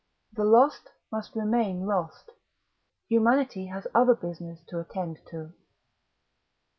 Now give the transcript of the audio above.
The lost must remain lost. Humanity has other business to attend to.